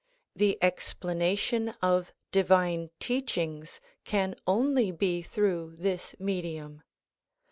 The explanation of divine teachings can only be through this medium.